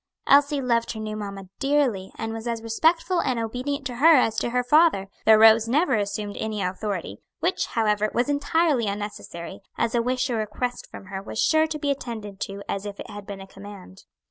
Elsie loved her new mamma dearly and was as respectful and obedient to her as to her father, though Rose never assumed any authority; which, however, was entirely unnecessary, as a wish or request from her was sure to be attended to as if it had been a command.